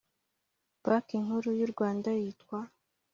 Banki nkuru y u rwanda yitwa